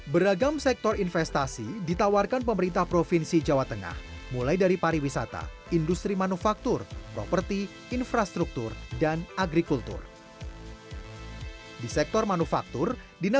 bagaimana peluang investasi dan pertumbuhan industri di provinsi jawa tengah